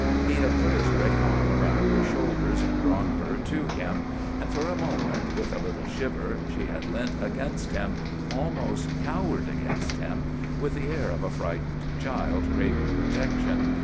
He had put his great arm around her shoulders and drawn her to him,—and for a moment, with a little shiver, she had leant against him, almost cowered against him, with the air of a frightened child craving protection.